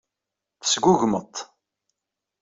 Tesgugmeḍ-t.